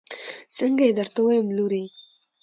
څنګه يې درته ووايم لورې.